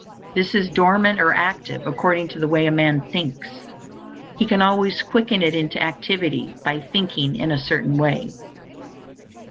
This is dormant or active, according to the way a man thinks. He can always quicken it into activity by thinking in a Certain Way.